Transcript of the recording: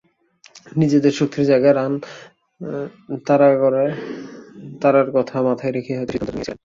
নিজেদের শক্তির জায়গা রান তাড়ার কথা মাথায় রেখেই হয়তো সিদ্ধান্তটা নিয়েছিলেন।